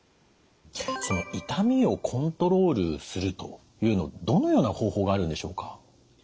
その痛みをコントロールするというのどのような方法があるんでしょうか？